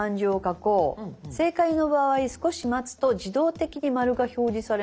「正解の場合少し待つと自動的に○が表示されます」。